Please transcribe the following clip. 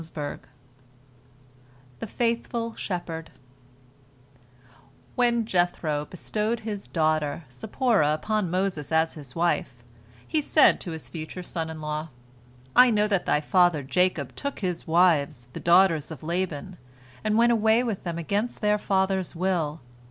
" THE FAITHFUL SHEPHERD When Jethro bestowed his daughter Zipporah upon Moses as his wife, he said to his future son in law: "I know that thy father Jacob took his wives, the daughters of Laban, and went away with them against their father's will.